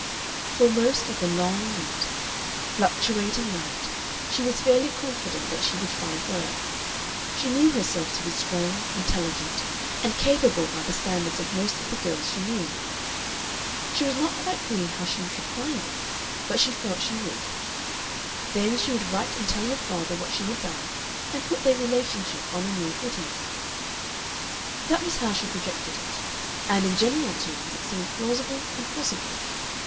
For most of a long and fluctuating night she was fairly confident that she would find work; she knew herself to be strong, intelligent, and capable by the standards of most of the girls she knew. She was not quite clear how she should find it, but she felt she would. Then she would write and tell her father what she had done, and put their relationship on a new footing. That was how she projected it, and in general terms it seemed plausible and possible.